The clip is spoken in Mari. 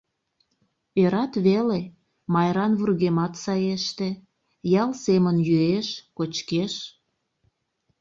Ӧрат веле: Майран вургемат саеште, ял семын йӱэш, кочкеш.